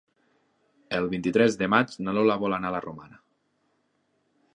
El vint-i-tres de maig na Lola vol anar a la Romana.